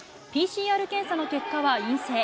ＰＣＲ検査の結果は陰性。